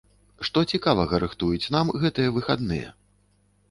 Што цікавага рыхтуюць нам гэтыя выхадныя?